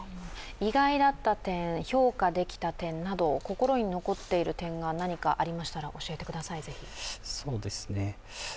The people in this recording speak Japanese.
意外だった点、評価できた点など心に残っている点がありましたら教えてください、ぜひ。